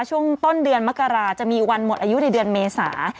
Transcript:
ช่วงต้นเดือนมกราจะมีวันหมดอายุในเดือนเมษา